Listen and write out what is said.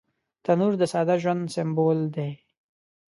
تنور د ساده ژوند سمبول دی